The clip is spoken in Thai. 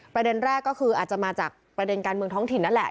ประเด็นแรกก็คืออาจจะมาจากประเด็นการเมืองท้องถิ่นนั่นแหละ